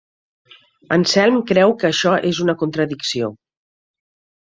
Anselm creu que això és una contradicció.